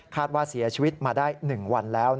คาดว่าเสียชีวิตมาได้หนึ่งวันแล้ว